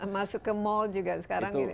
masuk ke mall juga sekarang ini